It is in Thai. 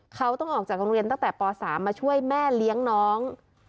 เขาต้องออกจากโรงเรียนตั้งแต่ป๓มาช่วยแม่เลี้ยงน้อง